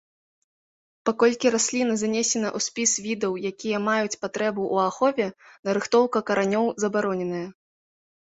Паколькі расліна занесена ў спіс відаў, якія маюць патрэбу ў ахове, нарыхтоўка каранёў забароненая.